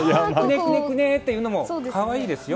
くねくねっていうのも可愛いですよ。